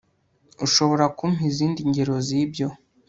Ushobora kumpa izindi ngero zibyo